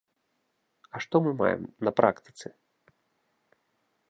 А што мы маем на практыцы?